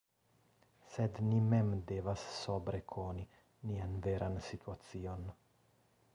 Sed ni mem devas sobre koni nian veran situacion.